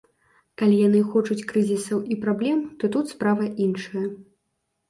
Калі яны хочуць крызісаў і праблем, то тут справа іншая.